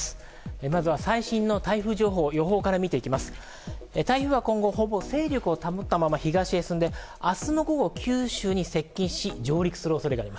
台風は今後ほぼ勢力を保ったまま東へ進んで明日の午後、九州に接近し上陸する恐れがあります。